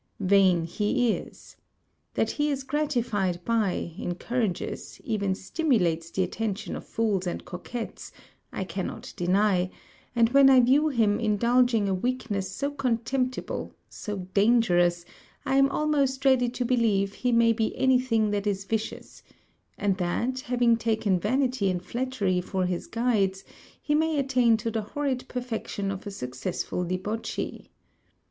Vain he is. That he is gratified by, encourages, even stimulates the attention of fools and coquettes, I cannot deny; and when I view him indulging a weakness so contemptible, so dangerous, I am almost ready to believe he may be any thing that is vicious; and that, having taken vanity and flattery for his guides, he may attain to the horrid perfection of a successful debauchee.